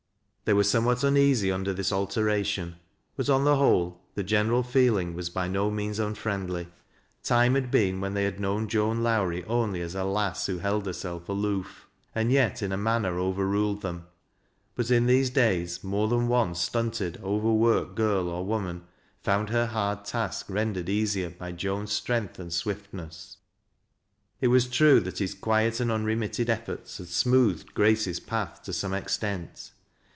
They were somewhat uneasy under this alteration ; but on the whole, the general feeling was by no means un friendly. Time had been when they had known Joan Tjowrie only as a " lass " who held herself aloof, and yet in a manner overruled them ; but in these days more than one stunted, overworked girl or woman found her hard task rendered easier by Joan's strength and swiftness. It was true that his quiet and unremitted efforts had smoothed Grace's path to some extent.